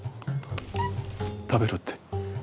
食べろって？